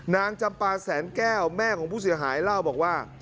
นางจำปาแสนแก้วแม่ของผู้เสียหายเล่าบอกว่า